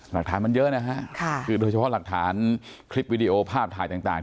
หลักฐานมันเยอะนะฮะคือโดยเฉพาะหลักฐานคลิปวิดีโอภาพถ่ายต่าง